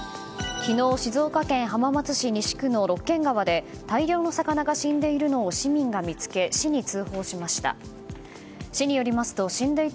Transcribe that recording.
昨日、静岡県浜松市西区の六間川で大量の魚が死んでいるのを市民が見つけ市に通報しました。